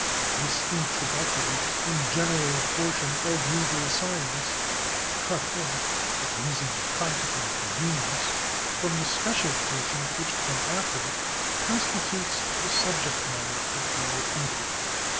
This introductory and general portion of legal science, cut off for reasons of practical convenience from the special portions which come after it, constitutes the subject matter of our inquiry.